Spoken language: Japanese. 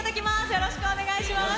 よろしくお願いします。